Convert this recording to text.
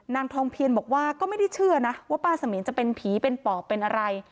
นางทองเพียนบอกว่าก็ไม่ได้เชื่อนะว่าป้าเสมียนจะเป็นผีเป็นปอบเป็นอะไร